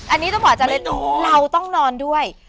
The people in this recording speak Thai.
อันนี้ต้องบอกอาจารย์เลยเราต้องนอนด้วย